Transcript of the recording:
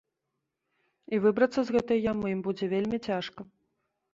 І выбрацца з гэтай ямы ім будзе вельмі цяжка.